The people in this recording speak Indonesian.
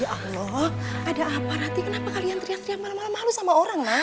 ya allah ada apa rati kenapa kalian teriak teriak malem malem malu sama orang